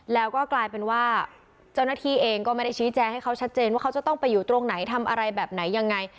แล้วก็กลายเป็นว่าเจ้าหน้าที่เองก็ไม่ได้ชี้แจงให้เขาชัดเจนว่าเขาจะต้องไปอยู่ตรงไหนทำอะไรแบบไหนยังไง